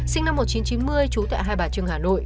sinh năm một nghìn chín trăm chín mươi trú tại hai bà trưng hà nội